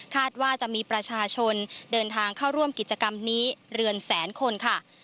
ว่าจะมีประชาชนเดินทางเข้าร่วมกิจกรรมนี้เรือนแสนคนค่ะ